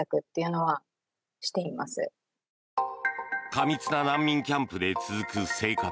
過密な難民キャンプで続く生活。